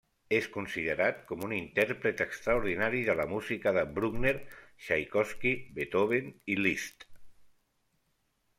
És considerat com un intèrpret extraordinari de la música de Bruckner, Txaikovski, Beethoven i Liszt.